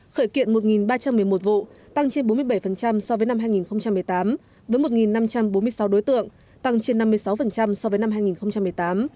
khởi kiện một ba trăm một mươi một vụ tăng trên bốn mươi bảy so với năm hai nghìn một mươi tám với một năm trăm bốn mươi sáu đối tượng tăng trên năm mươi sáu so với năm hai nghìn một mươi tám